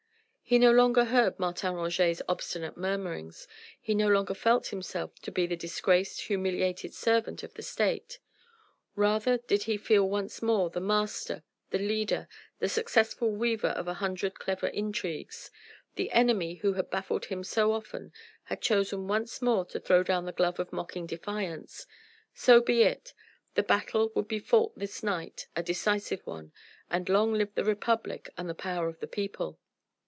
He no longer heard Martin Roget's obstinate murmurings, he no longer felt himself to be the disgraced, humiliated servant of the State: rather did he feel once more the master, the leader, the successful weaver of an hundred clever intrigues. The enemy who had baffled him so often had chosen once more to throw down the glove of mocking defiance. So be it! The battle would be fought this night a decisive one and long live the Republic and the power of the people!